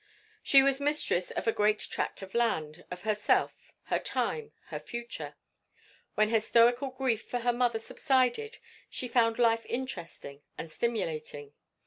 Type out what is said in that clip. She was mistress of a great tract of land, of herself, her time, her future. When her stoical grief for her mother subsided she found life interesting and stimulating.